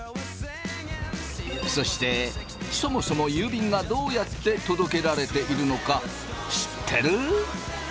そしてそもそも郵便がどうやって届けられているのか知ってる？